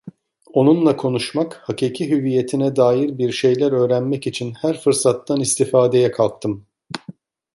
Onunla konuşmak, hakiki hüviyetine dair bir şeyler öğrenmek için her fırsattan istifadeye kalktım.